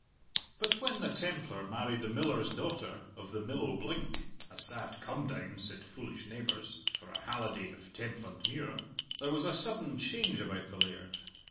But when the Templar married the miller's daughter of the Mill o' Blink (a sad come down, said foolish neighbours, for a Halliday of Templandmuir) there was a sudden change about the laird.